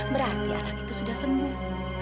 berarti anak itu sudah sembuh